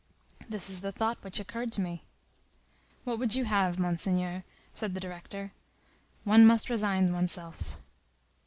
"That is the thought which occurred to me." "What would you have, Monseigneur?" said the director. "One must resign one's self."